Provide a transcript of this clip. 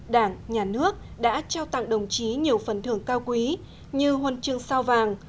đảng nhà nước đã trao tặng đồng chí nhiều phần thưởng cao quý như huân chương sao vàng